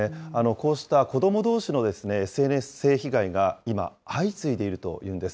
こうした子どもどうしのＳＮＳ性被害が今、相次いでいるというんです。